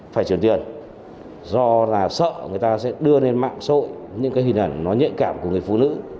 phải truyền tiền do là sợ người ta sẽ đưa lên mạng xã hội những cái hình ảnh nó nhạy cảm của người phụ nữ